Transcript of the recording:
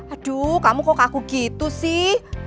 aduh kamu kok kaku gitu sih